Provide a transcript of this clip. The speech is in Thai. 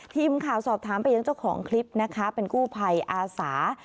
ทีมข่าวสอบถามไปยังเจ้าของคลิปนะคะเป็นกู้ภัยอาสา